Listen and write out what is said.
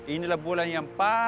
inilah bulan yang paling